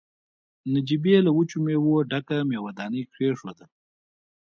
نجيبې له وچو مېوو ډکه مېوه داني کېښوده.